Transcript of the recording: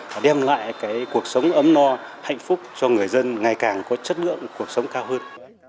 và đem lại cuộc sống ấm no hạnh phúc cho người dân ngày càng có chất lượng cuộc sống cao hơn